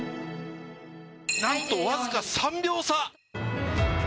なんと、わずか３秒差。